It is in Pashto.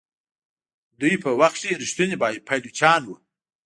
دوی په کوم وخت کې ریښتوني پایلوچان وو.